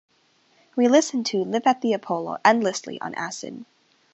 We listened to "Live at the Apollo" endlessly on acid.